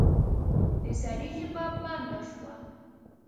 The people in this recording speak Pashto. د سړي ژبه بنده شوه.